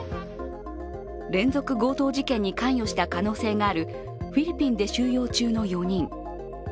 連続強盗事件に関与した可能性があるフィリピンで収容中の４人。